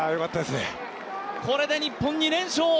これで日本２連勝！